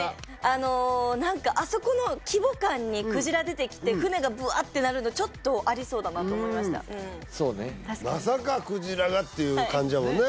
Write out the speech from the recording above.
あの何かあそこの規模感にクジラ出てきて船がブワーッてなるのちょっとありそうだなと思いましたまさかクジラがっていう感じやもんね